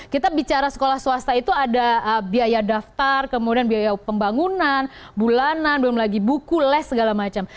kita bicara sekolah swasta itu ada biaya daftar kemudian biaya pembangunan bulanan belum lagi buku les segala macam